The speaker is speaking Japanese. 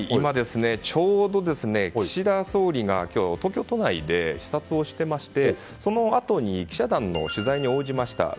ちょうど岸田総理が東京都内で視察をしてましてそのあとに記者団の取材に応じました。